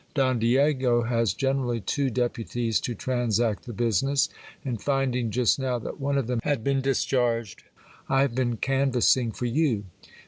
Don Diego has generally two deputies to transact the business ; and finding just now that one of them had been discharged, I have been canvassing for you.